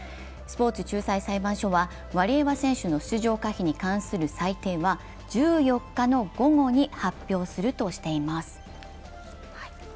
スポーツ仲裁裁判所はワリエワ選手の出場可否に関する裁定は１４日の午後に発表するとしています。